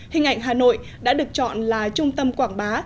hình ảnh hà nội đã được chọn là trung tâm quảng bá